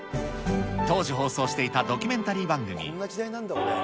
当時、放送していたドキュメンタリー番組。